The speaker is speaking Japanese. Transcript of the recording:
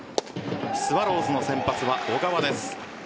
スワローズの先発は小川です。